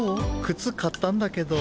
くつかったんだけど。